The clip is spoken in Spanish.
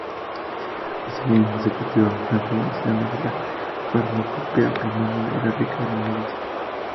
Asimismo, se cultivaban plantas medicinales, y la farmacopea romana era rica en abundancia.